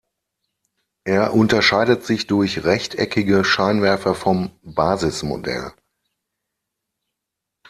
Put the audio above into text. Er unterscheidet sich durch rechteckige Scheinwerfer vom Basismodell.